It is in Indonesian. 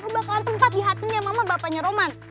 lo bakalan tempat di hatinya mama bapanya roman